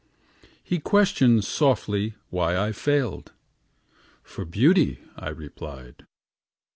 He questioned softly why I failed? "For beauty," I replied.